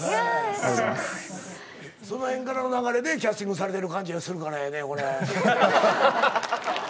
その辺からの流れでキャスティングされてる感じがするからやねこれ。